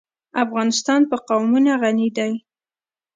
افغانستان په قومونه غني دی.